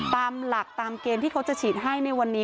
ตามหลักตามเกณฑ์ที่เขาจะฉีดให้ในวันนี้